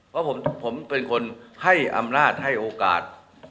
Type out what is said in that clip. เพราะผมเป็นคนให้อำนาจให้โอกาส